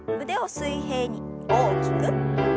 腕を水平に大きく。